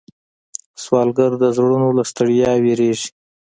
سوالګر د زړونو له ستړیا ویریږي